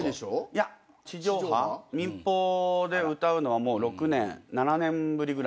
いや地上波民放で歌うのはもう６年７年ぶりぐらいですね。